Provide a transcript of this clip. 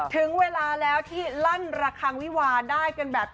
ถึงเวลาถึงลั่นระคางวีวาได้กันแบบ